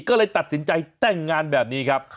ก็เลยตัดสินใจแต่งงานแบบนี้ครับ